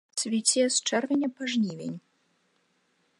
Цвіце з чэрвеня па жнівень.